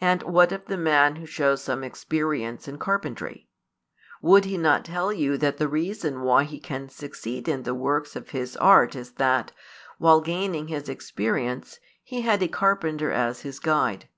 And what of the man who shows some experience in |221 carpentry? Would he not tell you that the reason why he can succeed in the works of his art is that, while gaining his experience, he had a carpenter as his guide?